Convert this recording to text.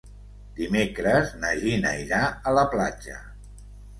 Dimecres na Gina irà a la platja.